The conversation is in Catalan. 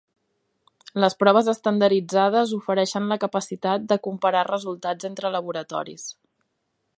Les proves estandarditzades ofereixen la capacitat de comparar resultats entre laboratoris.